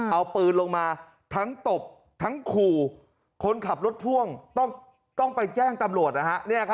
เอาปืนลงมาทั้งตบทั้งขู่คนขับรถพ่วงต้องไปแจ้งตำรวจนะฮะ